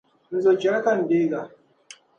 Nzo chɛli ka n-deega.